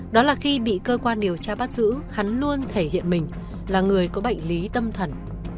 đó là khi bị cơ quan điều tra bắt giữ hắn luôn thể hiện mình là người có bệnh lý tâm thần